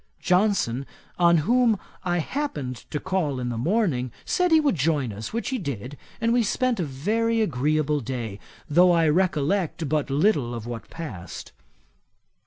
Johnson, on whom I happened to call in the morning, said he would join us, which he did, and we spent a very agreeable day, though I recollect but little of what passed.